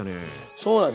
そうなんです。